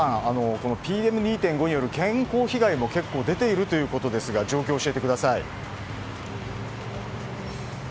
このＰＭ２．５による健康被害も結構出ているということですが状況を教えてください。